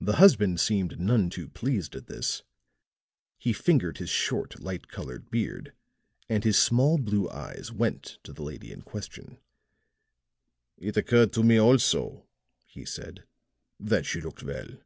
The husband seemed none too pleased at this; he fingered his short, light colored beard and his small blue eyes went to the lady in question. "It occurred to me also," he said, "that she looked well.